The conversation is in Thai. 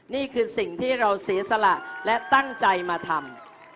นี่คือสิ่งที่เราเสียสละและตั้งใจมาทำ